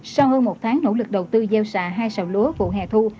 sau hơn một tháng nỗ lực đầu tư gieo xà hai sào lúa vụ hẹ thu